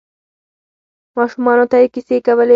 ماشومانو ته یې کیسې کولې.